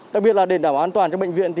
đặc biệt là để đảm bảo an toàn cho bệnh viện